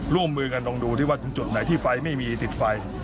ร่วมมือกันต้องดูที่ว่าถึงจุดไหนที่ไฟไม่มีติดไฟ